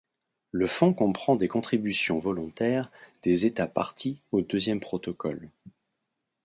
Le Fonds comprend des contributions volontaires des États parties au Deuxième Protocole.